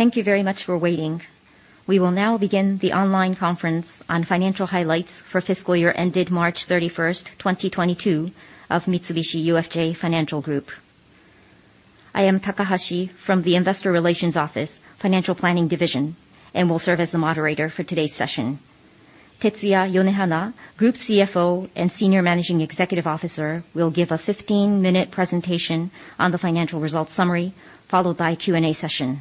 Thank you very much for waiting. We will now begin the online conference on financial highlights for fiscal year ended March 31st, 2022 of Mitsubishi UFJ Financial Group. I am Takahashi from the Investor Relations Office, Financial Planning Division, and will serve as the moderator for today's session. Tetsuya Yonehana, Group CFO and Senior Managing Executive Officer, will give a 15-minute presentation on the financial results summary, followed by Q&A session.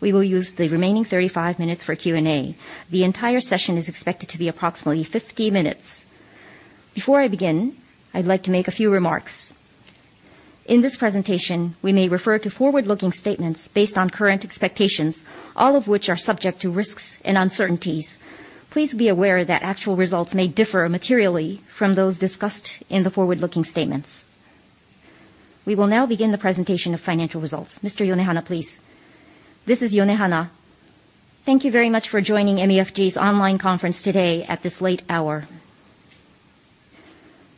We will use the remaining 35 minutes for Q&A. The entire session is expected to be approximately 50 minutes. Before I begin, I'd like to make a few remarks. In this presentation, we may refer to forward-looking statements based on current expectations, all of which are subject to risks and uncertainties. Please be aware that actual results may differ materially from those discussed in the forward-looking statements. We will now begin the presentation of financial results. Mr. Yonehana, please. This is Yonehana. Thank you very much for joining MUFG's online conference today at this late hour.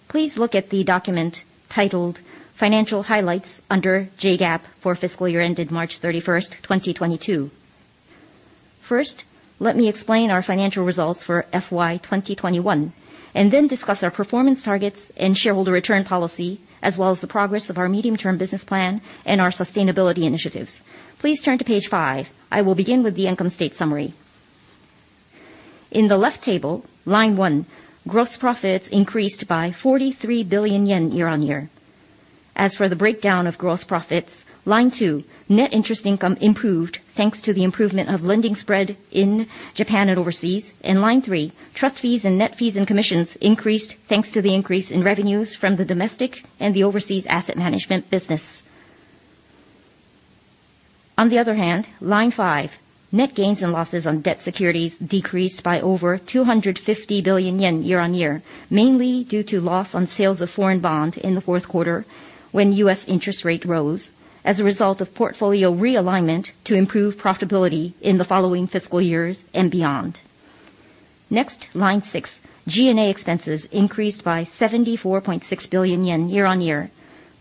Please look at the document titled Financial Highlights under JGAAP for fiscal year ended March 31st, 2022. First, let me explain our financial results for FY 2021 and then discuss our performance targets and shareholder return policy, as well as the progress of our medium-term business plan and our sustainability initiatives. Please turn to page five. I will begin with the income statement summary. In the left table, line one, gross profits increased by 43 billion yen year-on-year. As for the breakdown of gross profits, line two, net interest income improved thanks to the improvement of lending spread in Japan and overseas. Line three, trust fees and net fees and commissions increased thanks to the increase in revenues from the domestic and the overseas asset management business. On the other hand, line five, net gains and losses on debt securities decreased by over 250 billion yen year-on-year, mainly due to loss on sales of foreign bond in the fourth quarter when U.S. interest rate rose as a result of portfolio realignment to improve profitability in the following fiscal years and beyond. Next, line six, G&A expenses increased by 74.6 billion yen year-over-year,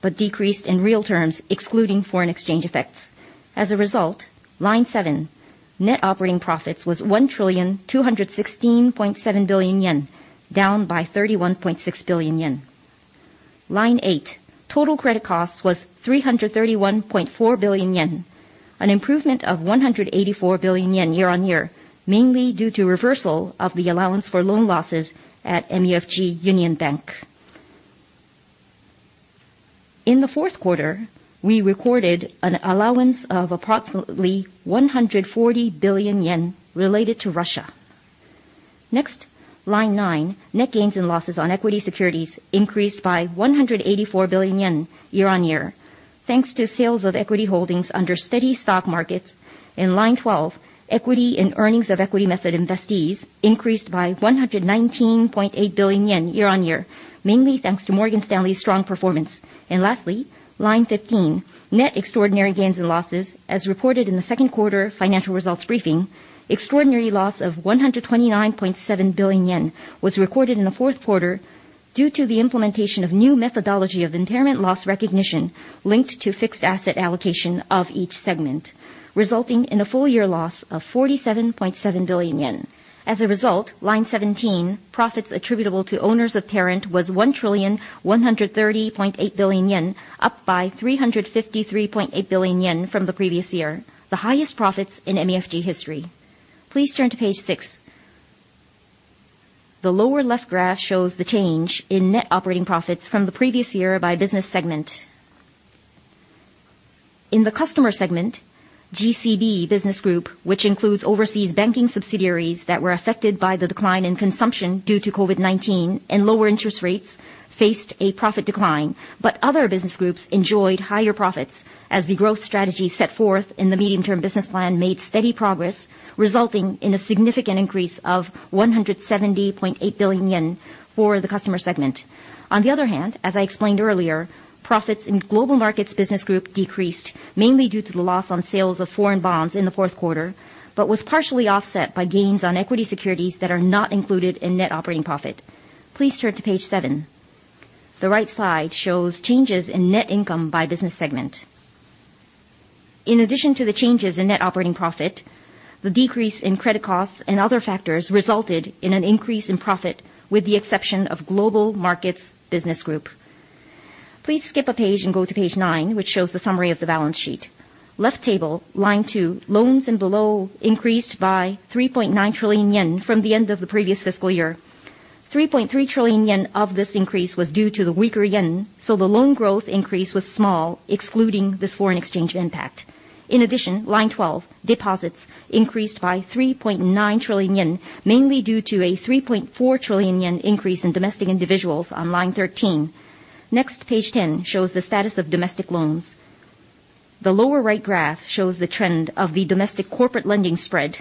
but decreased in real terms, excluding foreign exchange effects. As a result, line seven, net operating profits was 1,216.7 billion yen, down by 31.6 billion yen. Line eight, total credit costs was 331.4 billion yen, an improvement of 184 billion yen year-over-year, mainly due to reversal of the allowance for loan losses at MUFG Union Bank. In the fourth quarter, we recorded an allowance of approximately 140 billion yen related to Russia. Next, line nine, net gains and losses on equity securities increased by 184 billion yen year-on-year, thanks to sales of equity holdings under steady stock markets. In line twelve, equity and earnings of equity method investees increased by 119.8 billion yen year-on-year, mainly thanks to Morgan Stanley's strong performance. Lastly, line fifteen, net extraordinary gains and losses, as reported in the second quarter financial results briefing, extraordinary loss of 129.7 billion yen was recorded in the fourth quarter due to the implementation of new methodology of impairment loss recognition linked to fixed asset allocation of each segment, resulting in a full year loss of 47.7 billion yen. As a result, line 17, profits attributable to owners of parent was 1,130.8 billion yen, up by 353.8 billion yen from the previous year, the highest profits in MUFG history. Please turn to page six. The lower left graph shows the change in net operating profits from the previous year by business segment. In the customer segment, GCB Business Group, which includes overseas banking subsidiaries that were affected by the decline in consumption due to COVID-19 and lower interest rates, faced a profit decline. Other business groups enjoyed higher profits as the growth strategy set forth in the Medium-Term Business Plan made steady progress, resulting in a significant increase of 170.8 billion yen for the customer segment. On the other hand, as I explained earlier, profits in Global Markets Business Group decreased mainly due to the loss on sales of foreign bonds in the fourth quarter, but was partially offset by gains on equity securities that are not included in net operating profit. Please turn to page 7. The right side shows changes in net income by business segment. In addition to the changes in net operating profit, the decrease in credit costs and other factors resulted in an increase in profit with the exception of Global Markets Business Group. Please skip a page and go to page nine, which shows the summary of the balance sheet. Left table, line two, loans and below increased by 3.9 trillion yen from the end of the previous fiscal year. 3.3 trillion yen of this increase was due to the weaker yen, so the loan growth increase was small, excluding this foreign exchange impact. In addition, line 12, deposits increased by 3.9 trillion yen, mainly due to a 3.4 trillion yen increase in domestic individuals on line 13. Next, page 10 shows the status of domestic loans. The lower right graph shows the trend of the domestic corporate lending spread.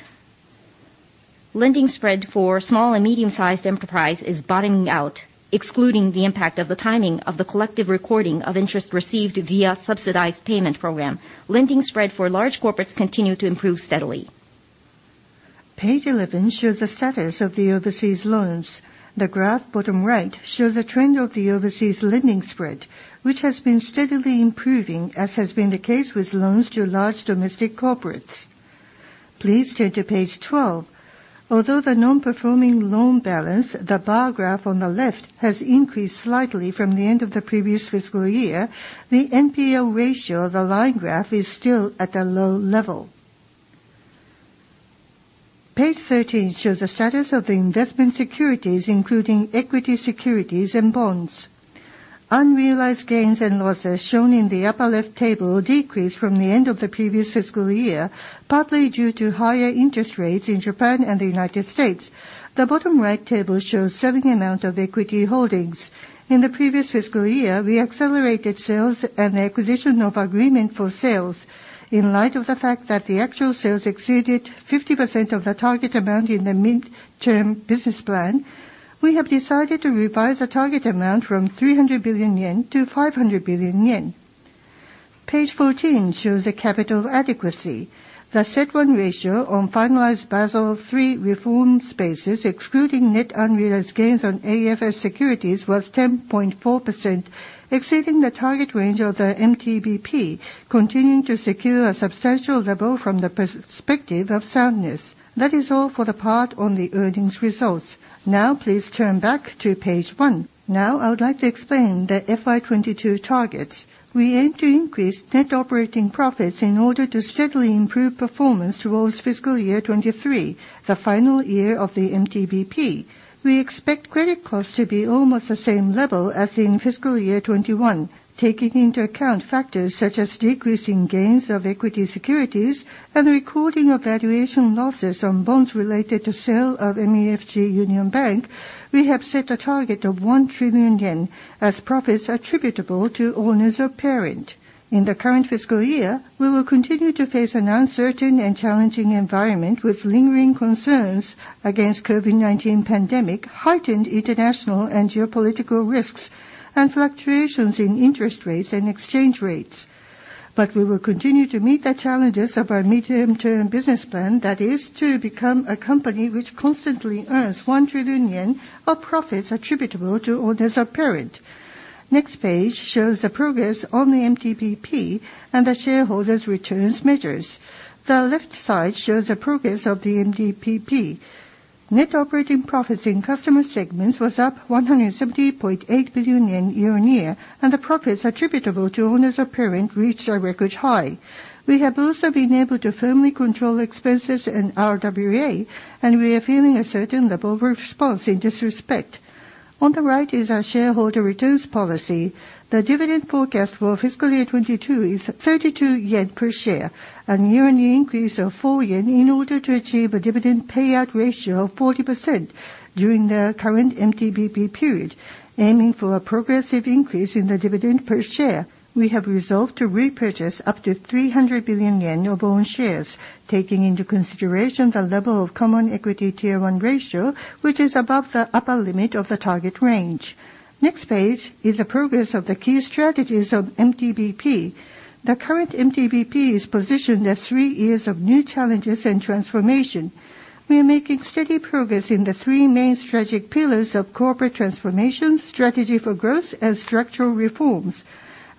Lending spread for small and medium-sized enterprise is bottoming out, excluding the impact of the timing of the collective recording of interest received via subsidized payment program. Lending spread for large corporates continued to improve steadily. Page 11 shows the status of the overseas loans. The graph bottom right shows the trend of the overseas lending spread, which has been steadily improving, as has been the case with loans to large domestic corporates. Please turn to page 12. Although the non-performing loan balance, the bar graph on the left, has increased slightly from the end of the previous fiscal year, the NPL ratio, the line graph, is still at a low level. Page 13 shows the status of the investment securities, including equity securities and bonds. Unrealized gains and losses shown in the upper left table decreased from the end of the previous fiscal year, partly due to higher interest rates in Japan and the United States. The bottom right table shows selling amount of equity holdings. In the previous fiscal year, we accelerated sales and the acquisition of agreement for sales. In light of the fact that the actual sales exceeded 50% of the target amount in the Medium-Term Business Plan, we have decided to revise the target amount from 300 billion yen to 500 billion yen. Page 14 shows the capital adequacy. The CET1 ratio on finalized Basel III reforms basis, excluding net unrealized gains on AFS securities, was 10.4%, exceeding the target range of the MTBP, continuing to secure a substantial level from the perspective of soundness. That is all for the part on the earnings results. Now please turn back to page 1. Now I would like to explain the FY 2022 targets. We aim to increase net operating profits in order to steadily improve performance towards fiscal year 2023, the final year of the MTBP. We expect credit costs to be almost the same level as in fiscal year 2021. Taking into account factors such as decreasing gains of equity securities and recording of valuation losses on bonds related to sale of MUFG Union Bank, we have set a target of 1 trillion yen as profits attributable to owners of parent. In the current fiscal year, we will continue to face an uncertain and challenging environment, with lingering concerns against COVID-19 pandemic, heightened international and geopolitical risks, and fluctuations in interest rates and exchange rates. We will continue to meet the challenges of our medium-term business plan, that is to become a company which constantly earns 1 trillion yen of profits attributable to owners of parent. Next page shows the progress on the MTBP and the shareholders' returns measures. The left side shows the progress of the MTBP. Net operating profits in customer segments was up 178.8 billion yen year-on-year, and the profits attributable to owners of parent reached a record high. We have also been able to firmly control expenses and RWA, and we are feeling a certain level of response in this respect. On the right is our shareholder returns policy. The dividend forecast for fiscal year 2022 is 32 yen per share, a year-on-year increase of 4 yen in order to achieve a dividend payout ratio of 40% during the current MTBP period, aiming for a progressive increase in the dividend per share. We have resolved to repurchase up to 300 billion yen of own shares, taking into consideration the level of Common Equity Tier 1 ratio, which is above the upper limit of the target range. Next page is the progress of the key strategies of MTBP. The current MTBP is positioned as three years of new challenges and transformation. We are making steady progress in the three main strategic pillars of corporate transformation, strategy for growth, and structural reforms.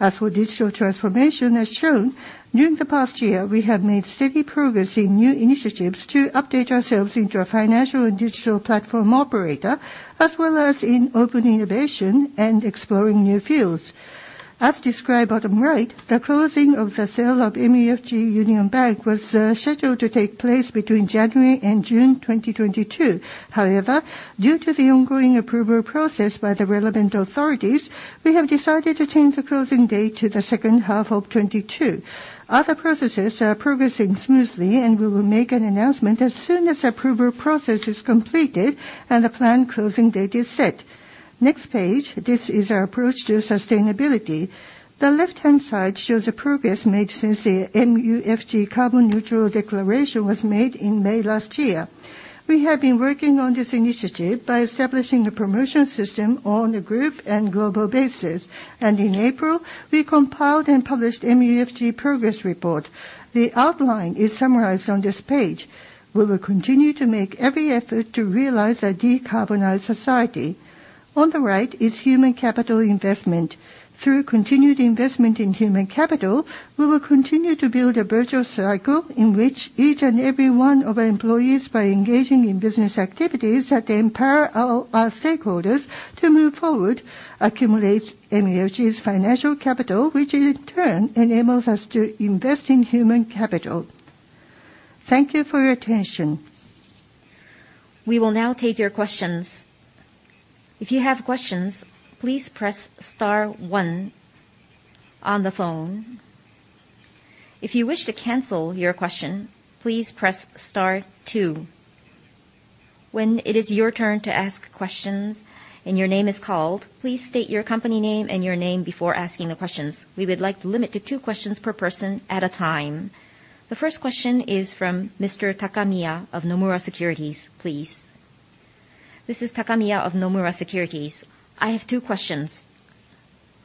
As for Digital Transformation, as shown, during the past year, we have made steady progress in new initiatives to update ourselves into a financial and digital platform operator, as well as in open innovation and exploring new fields. As described bottom right, the closing of the sale of MUFG Union Bank was scheduled to take place between January and June 2022. However, due to the ongoing approval process by the relevant authorities, we have decided to change the closing date to the second half of 2022. Other processes are progressing smoothly, and we will make an announcement as soon as the approval process is completed and the planned closing date is set. Next page. This is our approach to sustainability. The left-hand side shows the progress made since the MUFG Carbon Neutrality Declaration was made in May last year. We have been working on this initiative by establishing a promotion system on a group and global basis. In April, we compiled and published MUFG Progress Report. The outline is summarized on this page. We will continue to make every effort to realize a decarbonized society. On the right is human capital investment. Through continued investment in human capital, we will continue to build a virtual cycle in which each and every one of our employees, by engaging in business activities that empower our stakeholders to move forward, accumulates MUFG's financial capital, which in turn enables us to invest in human capital. Thank you for your attention. We will now take your questions. If you have questions, please press star one on the phone. If you wish to cancel your question, please press star two. When it is your turn to ask questions and your name is called, please state your company name and your name before asking the questions. We would like to limit to two questions per person at a time. The first question is from Mr. Takamiya of Nomura Securities, please. This is Takamiya of Nomura Securities. I have two questions.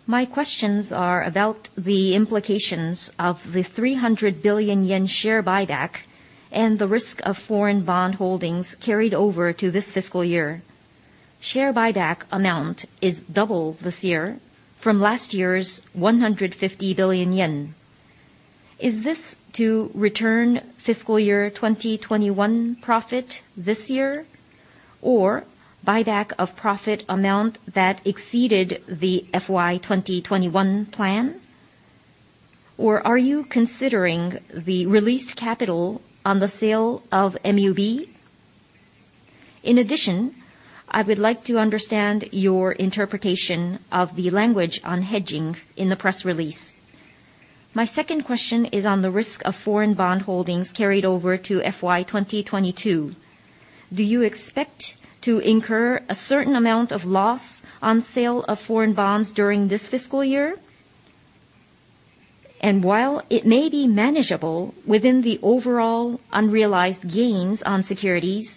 My questions are about the implications of the 300 billion yen share buyback and the risk of foreign bond holdings carried over to this fiscal year. Share buyback amount is double this year from last year's 150 billion yen. Is this to return fiscal year 2021 profit this year, or buyback of profit amount that exceeded the FY 2021 plan? Are you considering the released capital on the sale of MUB? In addition, I would like to understand your interpretation of the language on hedging in the press release. My second question is on the risk of foreign bond holdings carried over to FY 2022. Do you expect to incur a certain amount of loss on sale of foreign bonds during this fiscal year? While it may be manageable within the overall unrealized gains on securities,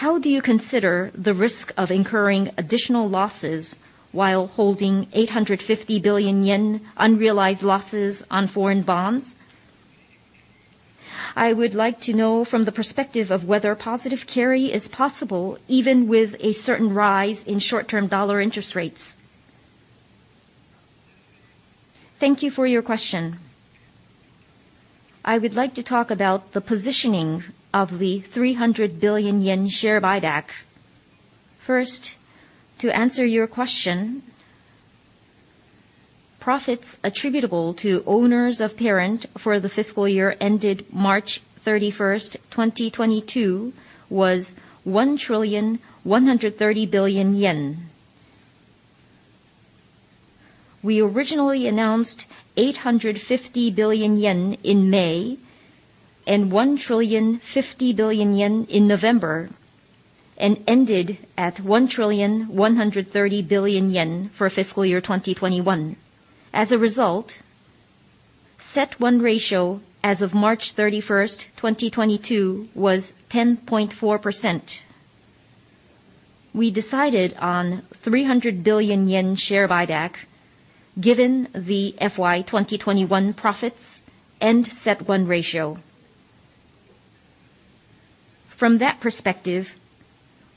how do you consider the risk of incurring additional losses while holding 850 billion yen unrealized losses on foreign bonds? I would like to know from the perspective of whether positive carry is possible even with a certain rise in short-term dollar interest rates. Thank you for your question. I would like to talk about the positioning of the 300 billion yen share buyback. First, to answer your question, profits attributable to owners of parent for the fiscal year ended March 31st, 2022 was 1,130 billion yen. We originally announced 850 billion yen in May and 1,050 billion yen in November, and ended at 1,130 billion yen for fiscal year 2021. As a result, CET1 ratio as of March 31st, 2022 was 10.4%. We decided on 300 billion yen share buyback given the FY 2021 profits and CET1 ratio. From that perspective,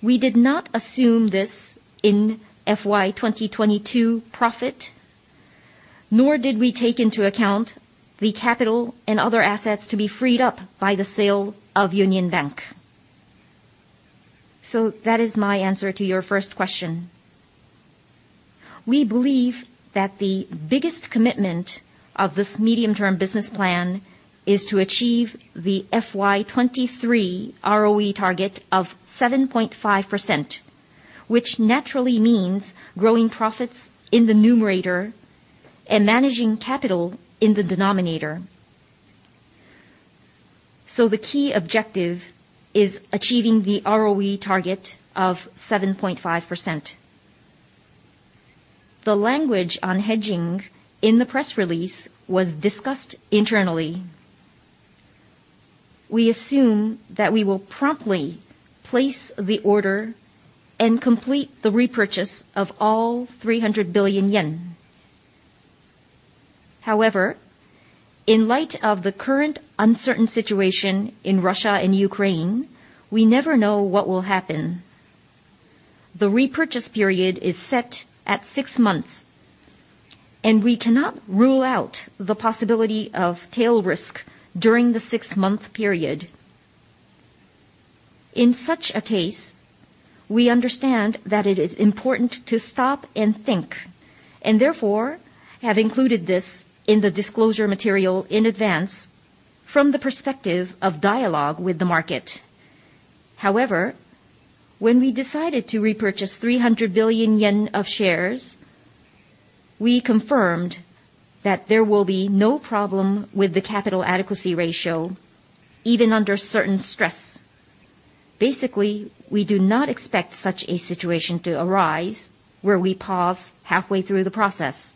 we did not assume this in FY 2022 profit, nor did we take into account the capital and other assets to be freed up by the sale of Union Bank. That is my answer to your first question. We believe that the biggest commitment of this Medium-Term Business Plan is to achieve the FY 2023 ROE target of 7.5%, which naturally means growing profits in the numerator and managing capital in the denominator. The key objective is achieving the ROE target of 7.5%. The language on hedging in the press release was discussed internally. We assume that we will promptly place the order and complete the repurchase of all 300 billion yen. However, in light of the current uncertain situation in Russia and Ukraine, we never know what will happen. The repurchase period is set at six months, and we cannot rule out the possibility of tail risk during the six month period. In such a case, we understand that it is important to stop and think, and therefore have included this in the disclosure material in advance from the perspective of dialogue with the market. However, when we decided to repurchase 300 billion yen of shares, we confirmed that there will be no problem with the capital adequacy ratio even under certain stress. Basically, we do not expect such a situation to arise where we pause halfway through the process.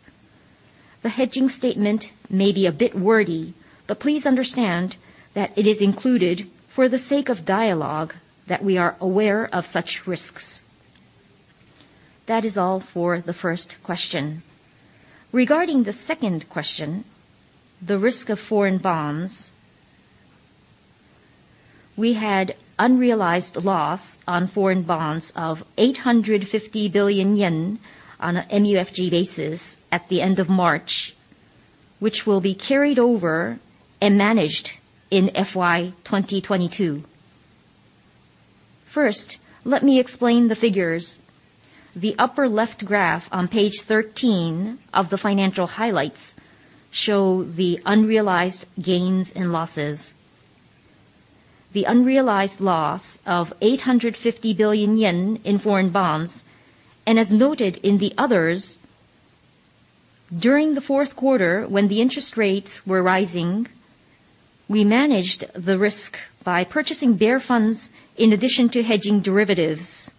The hedging statement may be a bit wordy, but please understand that it is included for the sake of dialogue that we are aware of such risks. That is all for the first question. Regarding the second question, the risk of foreign bonds, we had unrealized loss on foreign bonds of 850 billion yen on a MUFG basis at the end of March, which will be carried over and managed in FY 2022. First, let me explain the figures. The upper left graph on page 13 of the financial highlights show the unrealized gains and losses. The unrealized loss of 850 billion yen in foreign bonds, and as noted in the others, during the fourth quarter when the interest rates were rising, we managed the risk by purchasing Bear Funds in addition to hedging derivatives.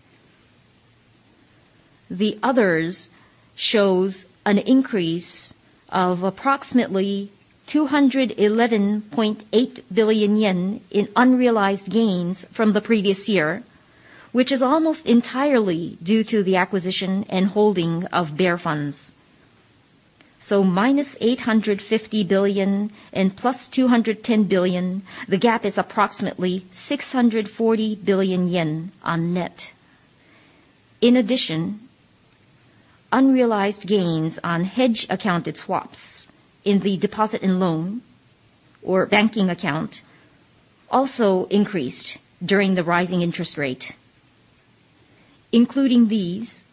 The others shows an increase of approximately 211.8 billion yen in unrealized gains from the previous year, which is almost entirely due to the acquisition and holding of Bear Funds. Minus 850 billion and plus 210 billion, the gap is approximately 640 billion yen on net. In addition, unrealized gains on hedge accounted swaps in the deposit and loan or banking account also increased during the rising interest rate. Including these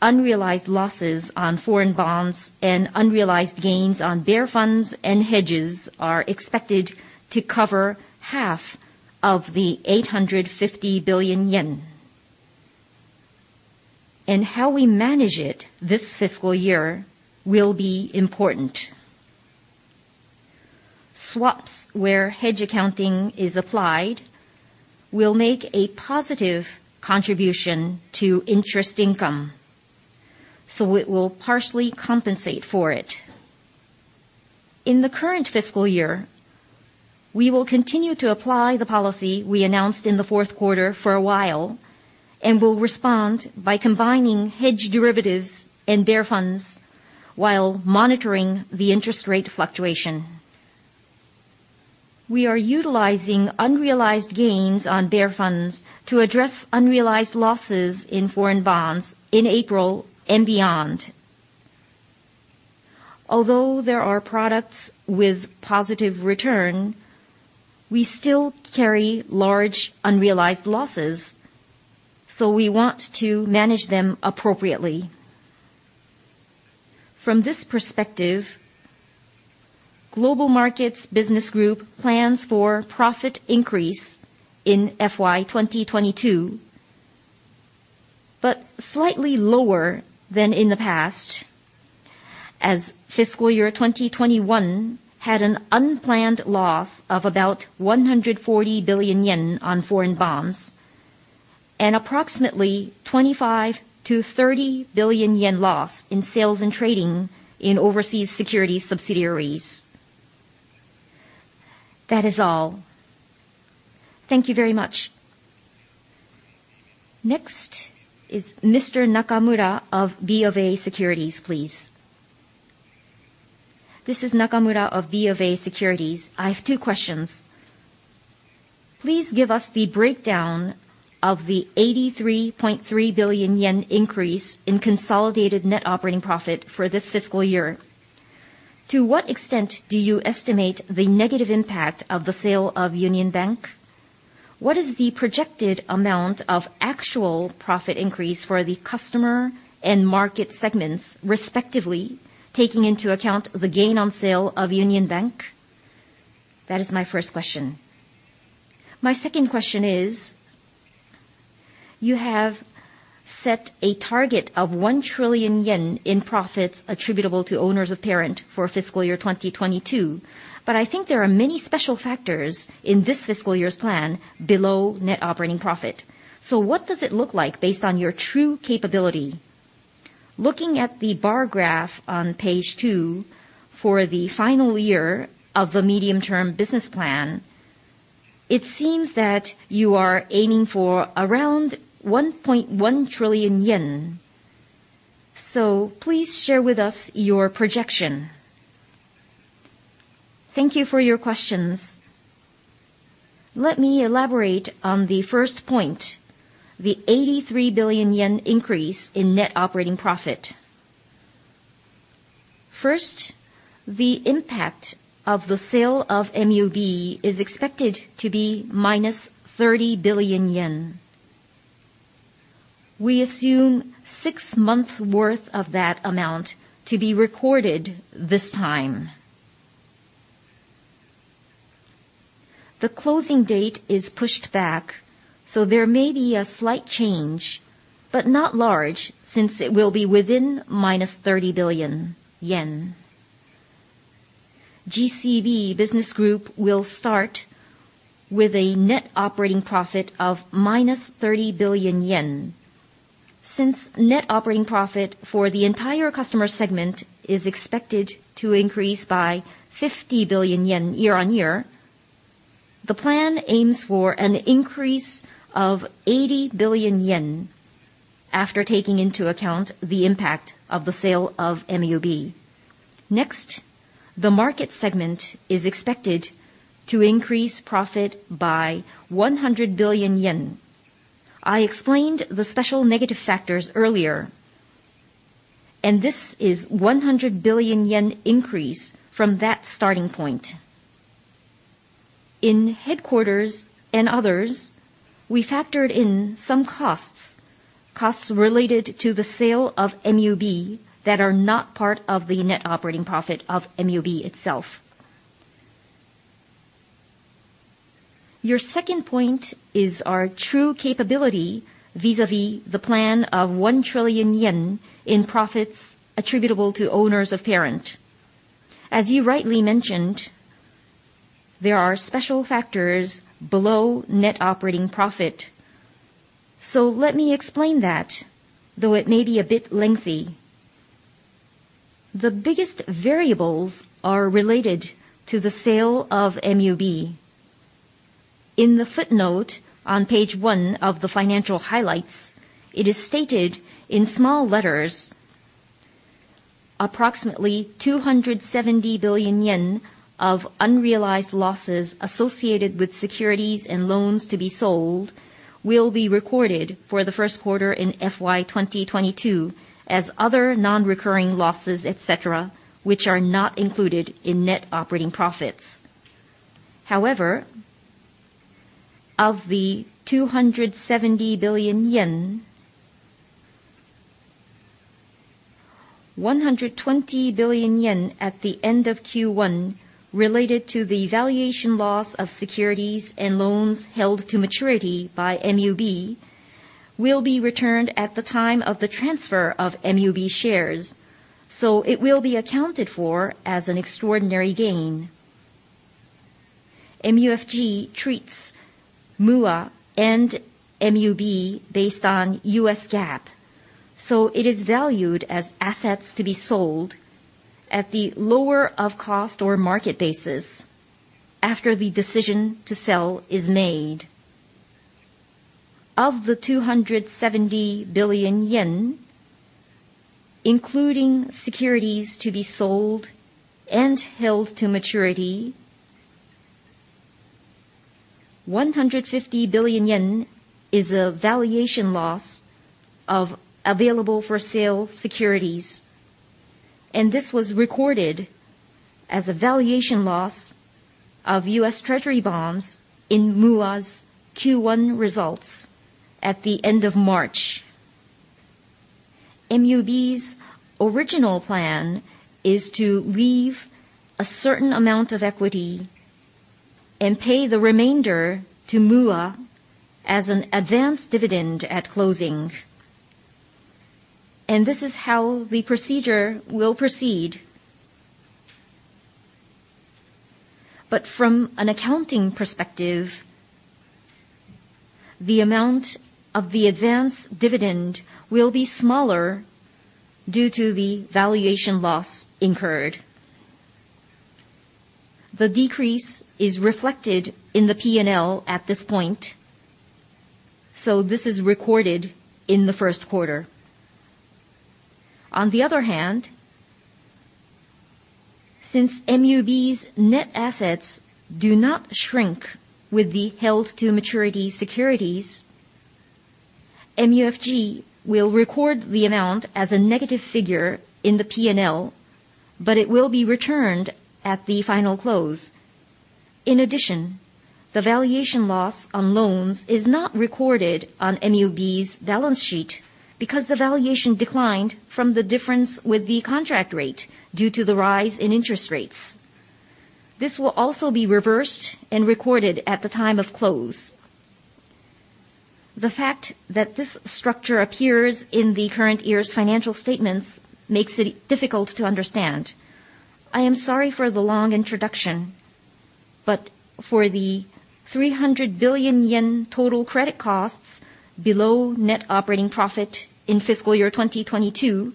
unrealized losses on foreign bonds and unrealized gains on bear funds and hedges are expected to cover half of the 850 billion yen. How we manage it this fiscal year will be important. Swaps where hedge accounting is applied will make a positive contribution to interest income, so it will partially compensate for it. In the current fiscal year, we will continue to apply the policy we announced in the fourth quarter for a while, and will respond by combining hedge derivatives and bear funds while monitoring the interest rate fluctuation. We are utilizing unrealized gains on Bear Funds to address unrealized losses in foreign bonds in April and beyond. Although there are products with positive return, we still carry large unrealized losses, so we want to manage them appropriately. From this perspective, Global Markets Business Group plans for profit increase in FY 2022, but slightly lower than in the past as fiscal year 2021 had an unplanned loss of about 140 billion yen on foreign bonds and approximately 25 billion-30 billion yen loss in sales and trading in overseas securities subsidiaries. That is all. Thank you very much. Next is Mr. Nakamura of BofA Securities, please. This is Nakamura of BofA Securities. I have two questions. Please give us the breakdown of the 83.3 billion yen increase in consolidated net operating profit for this fiscal year. To what extent do you estimate the negative impact of the sale of MUFG Union Bank? What is the projected amount of actual profit increase for the customer and market segments, respectively, taking into account the gain on sale of MUFG Union Bank? That is my first question. My second question is, you have set a target of 1 trillion yen in profits attributable to owners of parent for fiscal year 2022. I think there are many special factors in this fiscal year's plan below net operating profit. What does it look like based on your true capability? Looking at the bar graph on page two for the final year of the Medium-Term Business Plan, it seems that you are aiming for around 1.1 trillion yen. Please share with us your projection. Thank you for your questions. Let me elaborate on the first point, the 83 billion yen increase in net operating profit. First, the impact of the sale of MUB is expected to be -30 billion yen. We assume six months worth of that amount to be recorded this time. The closing date is pushed back, so there may be a slight change, but not large since it will be within -30 billion yen. GCB business group will start with a net operating profit of -30 billion yen. Since net operating profit for the entire customer segment is expected to increase by 50 billion yen year-on-year, the plan aims for an increase of 80 billion yen after taking into account the impact of the sale of MUB. Next, the market segment is expected to increase profit by 100 billion yen. I explained the special negative factors earlier, and this is 100 billion yen increase from that starting point. In headquarters and others, we factored in some costs related to the sale of MUB that are not part of the net operating profit of MUB itself. Your second point is our true capability vis-a-vis the plan of 1 trillion yen in profits attributable to owners of parent. As you rightly mentioned. There are special factors below net operating profit. Let me explain that, though it may be a bit lengthy. The biggest variables are related to the sale of MUB. In the footnote on page one of the financial highlights, it is stated in small letters approximately 270 billion yen of unrealized losses associated with securities and loans to be sold will be recorded for the first quarter in FY 2022 as other non-recurring losses, et cetera, which are not included in net operating profits. However, of the 270 billion yen, 120 billion yen at the end of Q1 related to the valuation loss of securities and loans held to maturity by MUB will be returned at the time of the transfer of MUB shares, so it will be accounted for as an extraordinary gain. MUFG treats MUAH and MUB based on US GAAP, so it is valued as assets to be sold at the lower of cost or market basis after the decision to sell is made. Of the JPY 270 billion, including securities to be sold and held to maturity, 150 billion yen is a valuation loss of available-for-sale securities, and this was recorded as a valuation loss of US Treasury bonds in MUAH's Q1 results at the end of March. MUB's original plan is to leave a certain amount of equity and pay the remainder to MUAH as an advanced dividend at closing. This is how the procedure will proceed. From an accounting perspective, the amount of the advanced dividend will be smaller due to the valuation loss incurred. The decrease is reflected in the P&L at this point, so this is recorded in the first quarter. On the other hand, since MUB's net assets do not shrink with the held-to-maturity securities, MUFG will record the amount as a negative figure in the P&L, but it will be returned at the final close. In addition, the valuation loss on loans is not recorded on MUB's balance sheet because the valuation declined from the difference with the contract rate due to the rise in interest rates. This will also be reversed and recorded at the time of close. The fact that this structure appears in the current year's financial statements makes it difficult to understand. I am sorry for the long introduction, but for the 300 billion yen total credit costs below net operating profit in fiscal year 2022,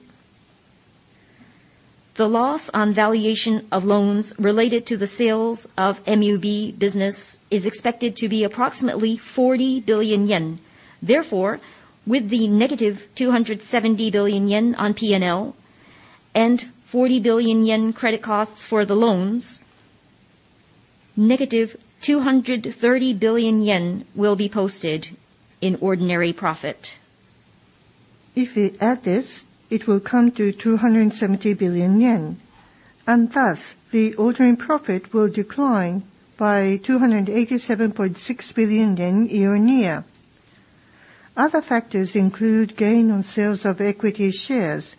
the loss on valuation of loans related to the sales of MUB business is expected to be approximately 40 billion yen. Therefore, with the negative 270 billion yen on P&L and 40 billion yen credit costs for the loans, negative 230 billion yen will be posted in ordinary profit. If we add this, it will come to 270 billion yen, and thus the ordinary profit will decline by 287.6 billion yen year-on-year. Other factors include gain on sales of equity shares,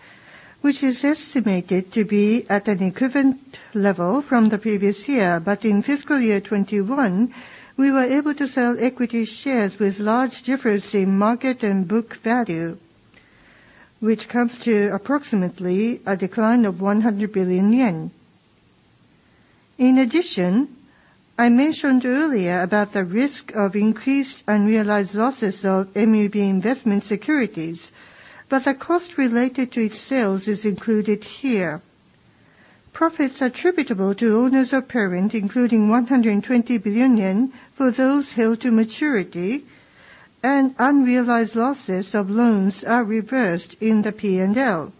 which is estimated to be at an equivalent level from the previous year. In fiscal year 2021, we were able to sell equity shares with large difference in market and book value, which comes to approximately a decline of 100 billion yen. In addition, I mentioned earlier about the risk of increased unrealized losses of MUB investment securities, but the cost related to its sales is included here. Profits attributable to owners of parent, including 120 billion yen for those held to maturity and unrealized losses of loans are reversed in the P&L.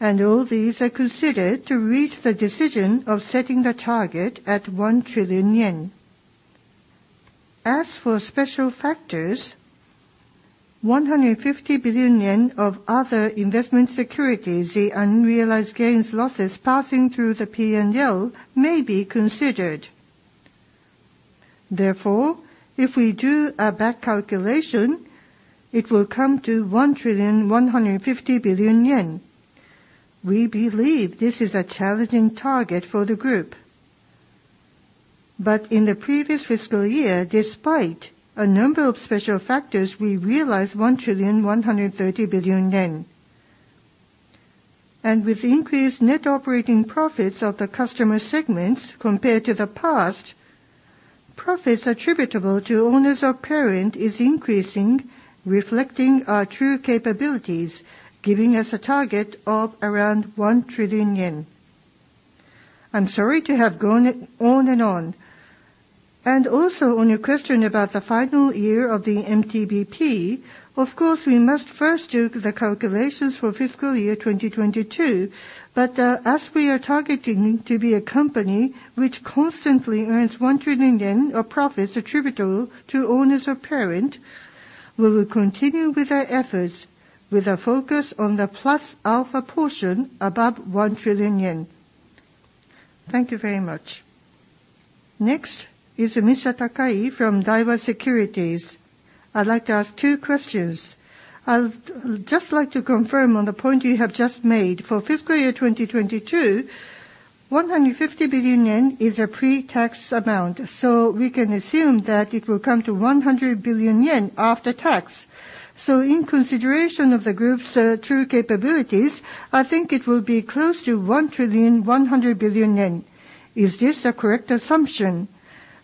All these are considered to reach the decision of setting the target at 1 trillion yen. As for special factors, 150 billion yen of other investment securities, the unrealized gains, losses passing through the P&L may be considered. Therefore, if we do a back calculation, it will come to 1,150 billion yen. We believe this is a challenging target for the group. In the previous fiscal year, despite a number of special factors, we realized 1,130 billion yen. With increased net operating profits of the customer segments compared to the past, profits attributable to owners of parent is increasing, reflecting our true capabilities, giving us a target of around 1 trillion yen. I'm sorry to have gone on and on. Also on your question about the final year of the MTBP, of course, we must first do the calculations for fiscal year 2022. As we are targeting to be a company which constantly earns 1 trillion yen of profits attributable to owners of parent, we will continue with our efforts with a focus on the plus alpha portion above 1 trillion yen. Thank you very much. Next is Mr. Takai from Daiwa Securities. I'd like to ask two questions. I'd just like to confirm on the point you have just made. For fiscal year 2022, 150 billion yen is a pre-tax amount, so we can assume that it will come to 100 billion yen after tax. In consideration of the group's true capabilities, I think it will be close to 1,100 billion yen. Is this a correct assumption?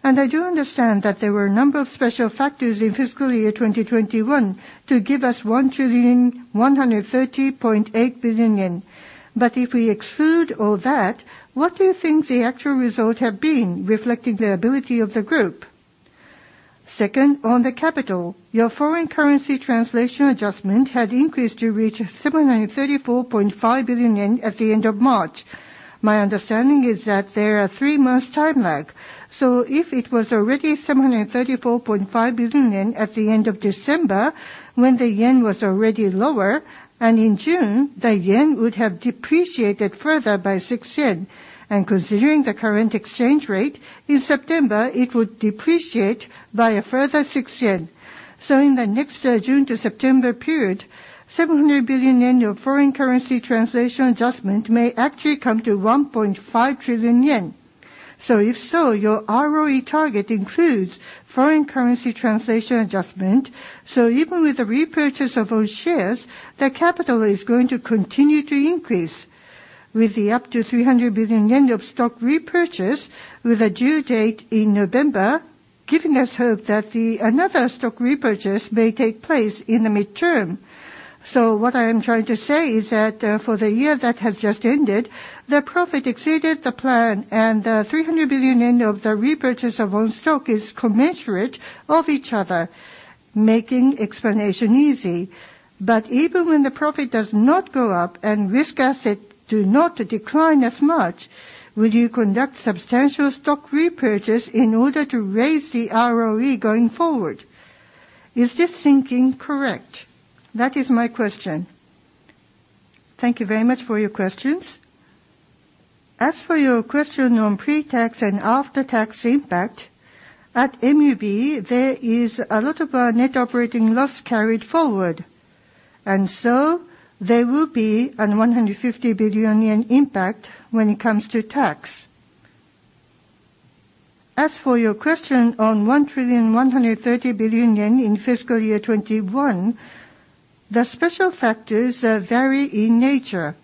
I do understand that there were a number of special factors in fiscal year 2021 to give us 1,130.8 billion yen. If we exclude all that, what do you think the actual result have been reflecting the ability of the group? Second, on the capital, your foreign currency translation adjustment had increased to reach 734.5 billion yen at the end of March. My understanding is that there are three months time lag. If it was already 734.5 billion yen at the end of December, when the yen was already lower, and in June, the yen would have depreciated further by 6 yen. Considering the current exchange rate, in September, it would depreciate by a further 6 yen. In the next June to September period, 700 billion yen of foreign currency translation adjustment may actually come to 1.5 trillion yen. If so, your ROE target includes foreign currency translation adjustment. Even with the repurchase of own shares, the capital is going to continue to increase with up to 300 billion yen of stock repurchase with a due date in November, giving us hope that another stock repurchase may take place in the midterm. What I am trying to say is that, for the year that has just ended, the profit exceeded the plan and the 300 billion yen of the repurchase of own stock is commensurate of each other, making explanation easy. Even when the profit does not go up and risk assets do not decline as much, will you conduct substantial stock repurchase in order to raise the ROE going forward? Is this thinking correct? That is my question. Thank you very much for your questions. As for your question on pre-tax and after-tax impact, at MUB, there is a lot of net operating loss carried forward, and so there will be a 150 billion yen impact when it comes to tax. As for your question on 1,130 billion yen in fiscal year 2021, the special factors vary in nature.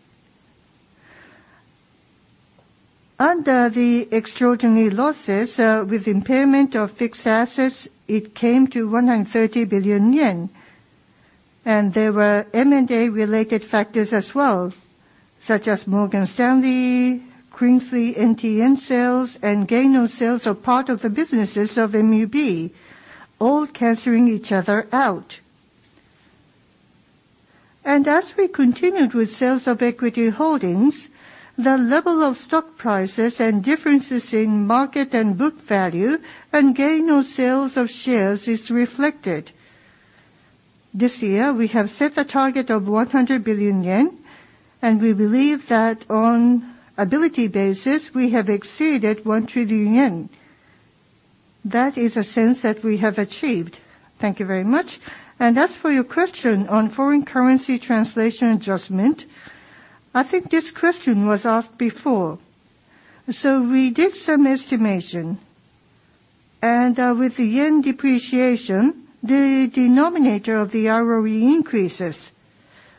Under the extraordinary losses, with impairment of fixed assets, it came to 130 billion yen. There were M&A related factors as well, such as Morgan Stanley, Queensway NTN sales, and gain on sales of part of the businesses of MUB, all canceling each other out. As we continued with sales of equity holdings, the level of stock prices and differences in market and book value and gain on sales of shares is reflected. This year, we have set a target of 100 billion yen, and we believe that on ability basis, we have exceeded 1 trillion yen. That is a sense that we have achieved. Thank you very much. As for your question on foreign currency translation adjustment, I think this question was asked before. We did some estimation, and with the yen depreciation, the denominator of the ROE increases,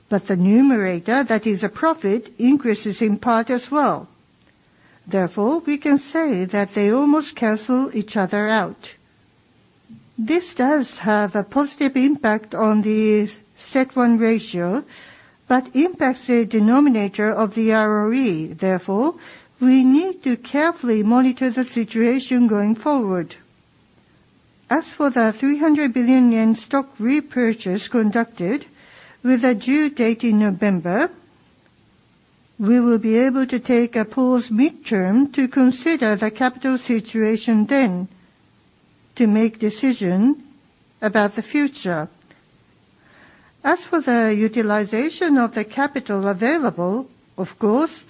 but the numerator, that is a profit, increases in part as well. Therefore, we can say that they almost cancel each other out. This does have a positive impact on the CET1 ratio, but impacts the denominator of the ROE. Therefore, we need to carefully monitor the situation going forward. As for the 300 billion yen stock repurchase conducted with a due date in November, we will be able to take a pause midterm to consider the capital situation then to make decision about the future. As for the utilization of the capital available, of course,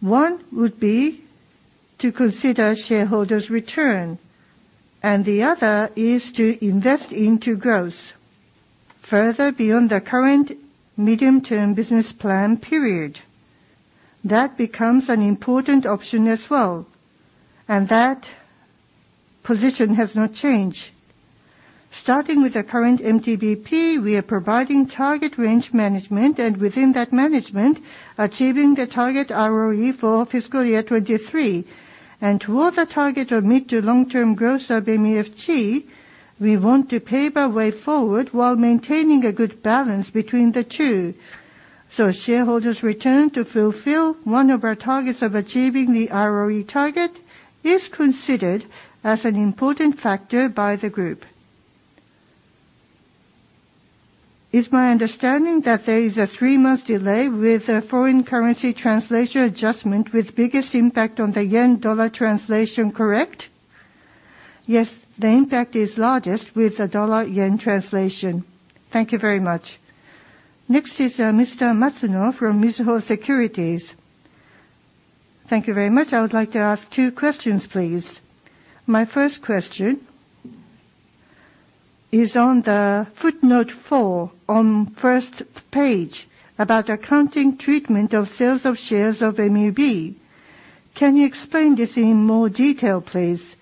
one would be to consider shareholders' return, and the other is to invest into growth further beyond the current medium-term business plan period. That becomes an important option as well, and that position has not changed. Starting with the current MTBP, we are providing target range management, and within that management, achieving the target ROE for fiscal year 2023. Toward the target of mid- to long-term growth of MUFG, we want to pave a way forward while maintaining a good balance between the two. Shareholders return to fulfill one of our targets of achieving the ROE target is considered as an important factor by the group. It's my understanding that there is a three month delay with the foreign currency translation adjustment with biggest impact on the yen-dollar translation, correct? Yes, the impact is largest with the dollar-yen translation. Thank you very much. Next is Mr. Matsuno from Mizuho Securities. Thank you very much. I would like to ask two questions, please. My first question is on the footnote four on first page about accounting treatment of sales of shares of MUB. Can you explain this in more detail, please?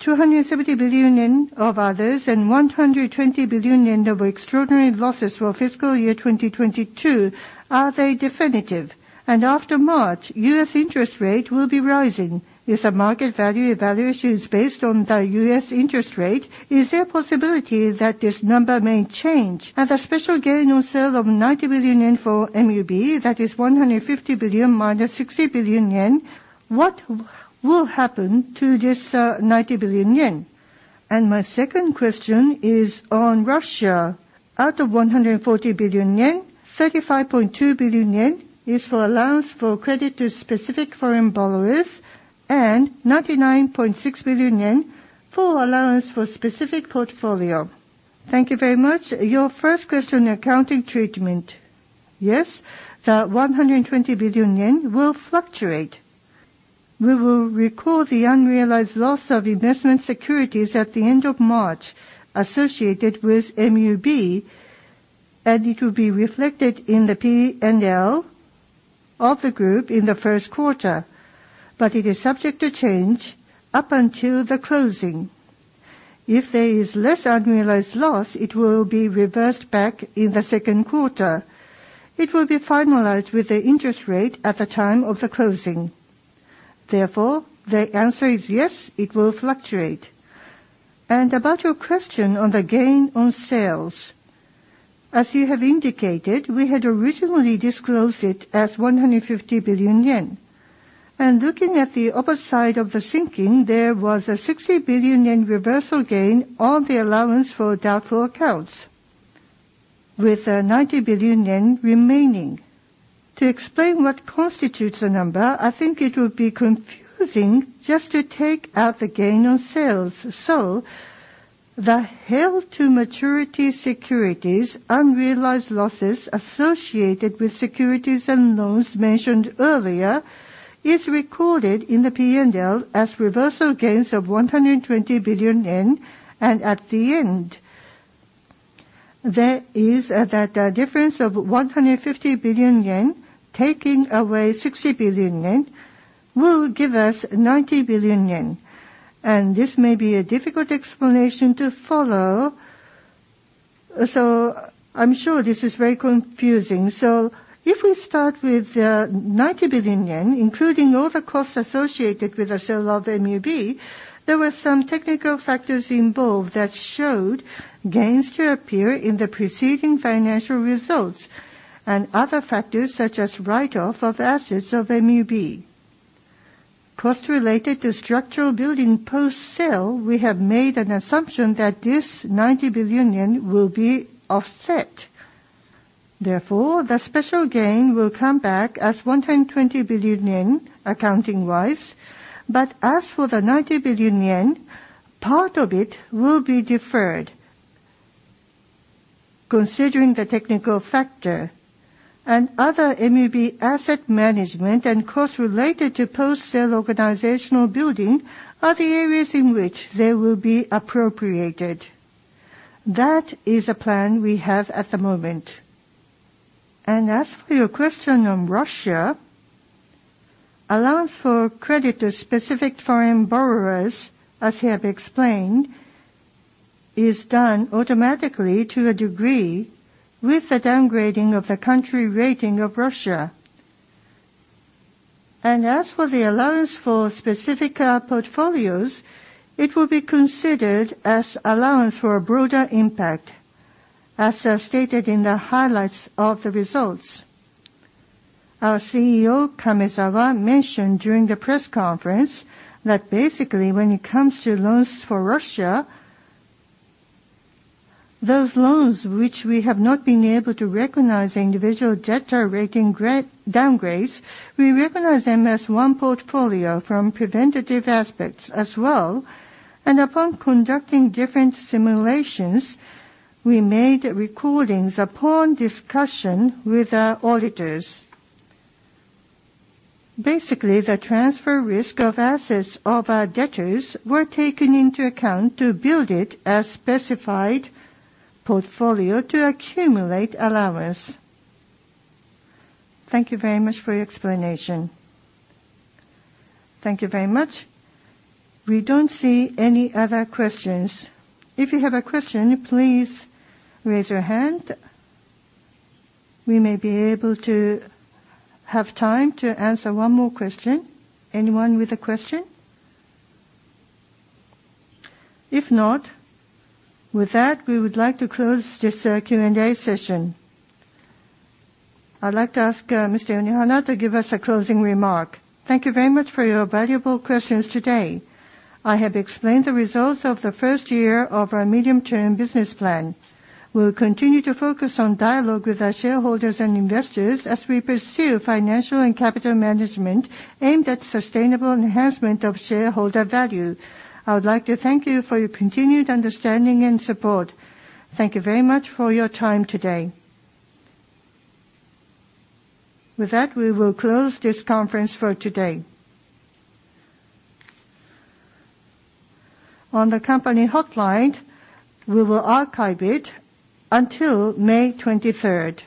270 billion yen of others and 120 billion yen of extraordinary losses for fiscal year 2022, are they definitive? After March, U.S. interest rate will be rising. If the market value evaluation is based on the U.S. interest rate, is there a possibility that this number may change? The special gain on sale of 90 billion yen for MUB, that is 150 billion minus 60 billion yen, what will happen to this, 90 billion yen? My second question is on Russia. Out of 140 billion yen, 35.2 billion yen is for allowance for credit to specific foreign borrowers and 99.6 billion yen for allowance for specific portfolio. Thank you very much. Your first question, accounting treatment. Yes. The 120 billion yen will fluctuate. We will recall the unrealized loss of investment securities at the end of March associated with MUB, and it will be reflected in the PNL of the group in the first quarter. It is subject to change up until the closing. If there is less unrealized loss, it will be reversed back in the second quarter. It will be finalized with the interest rate at the time of the closing. Therefore, the answer is yes, it will fluctuate. About your question on the gain on sales. As you have indicated, we had originally disclosed it as 150 billion yen. Looking at the other side of the coin, there was a 60 billion yen reversal gain on the allowance for doubtful accounts, with 90 billion yen remaining. To explain what constitutes the number, I think it would be confusing just to take out the gain on sales. The held-to-maturity securities, unrealized losses associated with securities and loans mentioned earlier is recorded in the PNL as reversal gains of 120 billion yen, and at the end. There is that difference of 150 billion yen taking away 60 billion yen will give us 90 billion yen. This may be a difficult explanation to follow. I'm sure this is very confusing. If we start with 90 billion yen, including all the costs associated with the sale of MUB, there were some technical factors involved that showed gains to appear in the preceding financial results and other factors such as write-off of assets of MUB. Cost related to structural building post-sale, we have made an assumption that this 90 billion yen will be offset. Therefore, the special gain will come back as 120 billion yen accounting-wise. As for the 90 billion yen, part of it will be deferred. Considering the technical factor and other MUB asset management and costs related to post-sale organizational building are the areas in which they will be appropriated. That is a plan we have at the moment. As for your question on Russia, allowance for credit to specific foreign borrowers, as you have explained, is done automatically to a degree with the downgrading of the country rating of Russia. As for the allowance for specific portfolios, it will be considered as allowance for a broader impact, as stated in the highlights of the results. Our CEO, Kamezawa, mentioned during the press conference that basically when it comes to loans for Russia, those loans which we have not been able to recognize the individual debtor rating downgrades, we recognize them as one portfolio from preventative aspects as well. Upon conducting different simulations, we made provisions upon discussion with our auditors. Basically, the transfer risk of assets of our debtors were taken into account to build it as specific portfolio to accumulate allowance. Thank you very much for your explanation. Thank you very much. We don't see any other questions. If you have a question, please raise your hand. We may be able to have time to answer one more question. Anyone with a question? If not, with that, we would like to close this Q&A session. I'd like to ask Mr. Yonehana to give us a closing remark. Thank you very much for your valuable questions today. I have explained the results of the first year of our Medium-Term Business Plan. We'll continue to focus on dialogue with our shareholders and investors as we pursue financial and capital management aimed at sustainable enhancement of shareholder value. I would like to thank you for your continued understanding and support. Thank you very much for your time today. With that, we will close this conference for today. On the company hotline, we will archive it until May twenty-third.